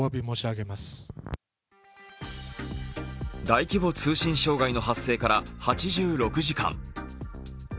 大規模通信障害の発生から８６時間。